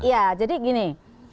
iya jadi gini